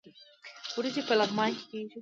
وریجې په لغمان کې کیږي